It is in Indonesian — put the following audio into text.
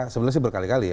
sebenarnya sih berkali kali